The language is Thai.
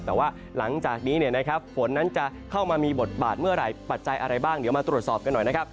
แต่ว่าหลังจากนี้เนี่ยนะครับฝนนั้นจะเข้ามามีบทบาทเมื่อไหร่ปัจจัยอะไรบ้างเดี๋ยวมาตรวจสอบกันหน่อยนะครับ